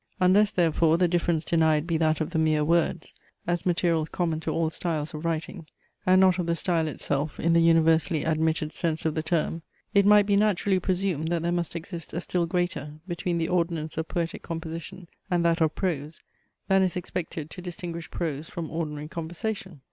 Unless therefore the difference denied be that of the mere words, as materials common to all styles of writing, and not of the style itself in the universally admitted sense of the term, it might be naturally presumed that there must exist a still greater between the ordonnance of poetic composition and that of prose, than is expected to distinguish prose from ordinary conversation.